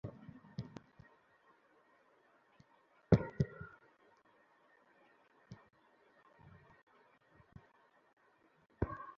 সুন্দর ব্যবহারের জন্য ধন্যবাদ।